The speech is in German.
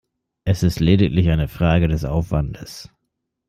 Es ist lediglich eine Frage des Aufwandes.